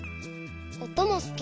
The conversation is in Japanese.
おともすき。